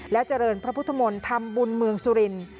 เจริญพระพุทธมนตร์ทำบุญเมืองสุรินทร์